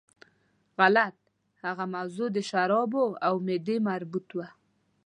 غلط، هغه موضوع د شرابو او معدې مربوط وه.